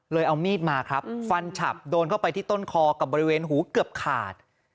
เอามีดมาครับฟันฉับโดนเข้าไปที่ต้นคอกับบริเวณหูเกือบขาด